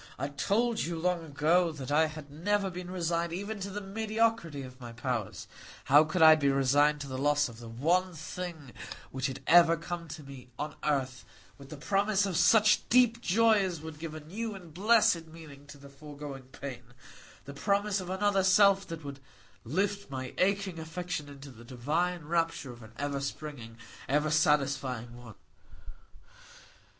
I told you long ago that I had never been resigned even to the mediocrity of my powers; how could I be resigned to the loss of the one thing which had ever come to me on earth with the promise of such deep joy as would give a new and blessed meaning to the foregoing pain,—the promise of another self that would lift my aching affection into the divine rapture of an ever springing, ever satisfied want?